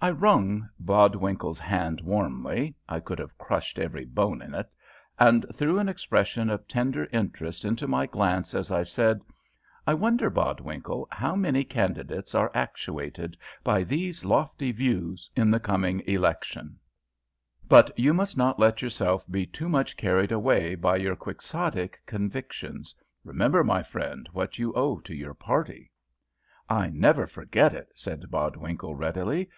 I wrung Bodwinkle's hand warmly (I could have crushed every bone in it), and threw an expression of tender interest into my glance as I said, "I wonder, Bodwinkle, how many candidates are actuated by these lofty views in the coming election; but you must not let yourself be too much carried away by your Quixotic convictions. Remember, my friend, what you owe to your party." "I never forget it," said Bodwinkle, readily.